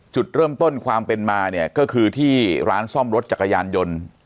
จุดเริ่มต้นความเป็นมาเนี่ยก็คือที่ร้านซ่อมรถจักรยานยนต์